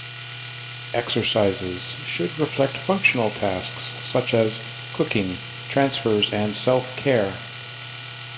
Exercises should reflect functional tasks such as cooking, transfers and self-care.